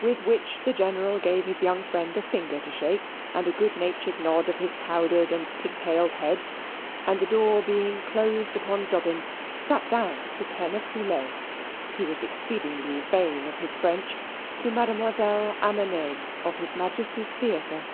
With which the General gave his young friend a finger to shake, and a good natured nod of his powdered and pigtailed head; and the door being closed upon Dobbin, sate down to pen a poulet (he was exceedingly vain of his French) to Mademoiselle Amenaide of His Majesty's Theatre.